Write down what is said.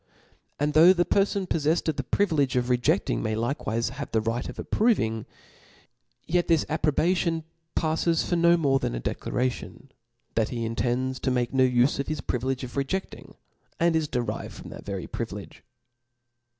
And though the perfon poffcfled of the privilege of rejcding, may like wife have the right of approving ; yet this approbation pafles for no more than a declaration, that he intends to make no ufe of bis privilege of reje&bg, and is derived from that very privilege.